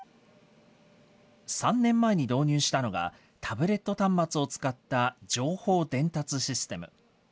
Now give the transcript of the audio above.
３年前に導入したのがタブレット端末を使った情報伝達システム。